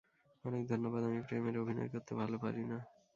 অনেক ধন্যবাদ আমি প্রেমের অভিনয় করতে ভালো পারি না।